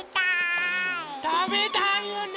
たべたいよね。